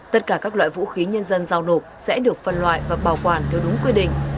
tất cả các loại vũ khí nhân dân giao nộp sẽ được phân loại và bảo quản theo đúng quy định